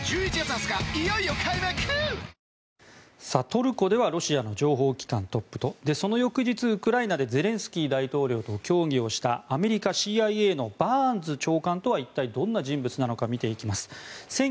トルコではロシアの情報機関トップとその翌日、ウクライナでゼレンスキー大統領と協議をした、アメリカＣＩＡのバーンズ長官とは一体どんな人物なのか見ていきます。